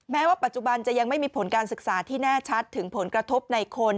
แม้ว่าปัจจุบันจะยังไม่มีผลการศึกษาที่แน่ชัดถึงผลกระทบในคน